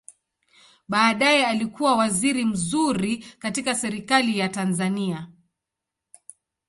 Baadaye alikua waziri mzuri katika Serikali ya Tanzania.